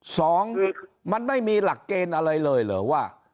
สองมันไม่มีหลักเกณฑ์อะไรเลยเหรอว่า